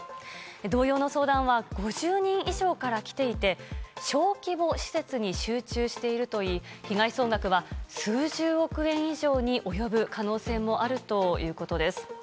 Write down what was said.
同様の相談は５０人以上から来ていて小規模施設に集中しているといい被害総額は数十億円以上に及ぶ可能性もあるということです。